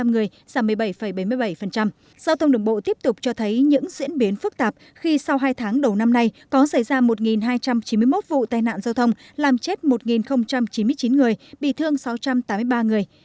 giao thông đường bộ tiếp tục cho thấy những diễn biến phức tạp khi sau hai tháng đầu năm nay có xảy ra một hai trăm chín mươi một vụ tai nạn giao thông làm chết một chín mươi chín người bị thương sáu trăm tám mươi ba người